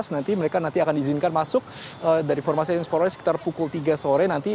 nanti mereka nanti akan diizinkan masuk dari formasi polri sekitar pukul tiga sore nanti